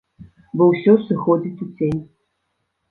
Бо ўсё сыходзіць у цень.